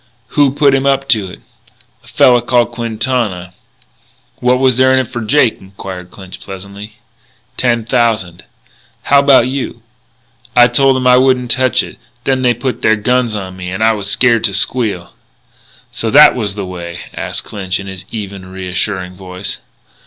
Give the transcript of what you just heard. "Who put him up to it?" "A fella called Quintana." "What was there in it for Jake?" inquired Clinch pleasantly. "Ten thousand." "How about you?" "I told 'em I wouldn't touch it. Then they pulled their guns on me, and I was scared to squeal." "So that was the way?" asked Clinch in his even, reassuring voice.